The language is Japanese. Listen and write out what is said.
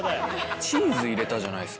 チーズ入れたじゃないです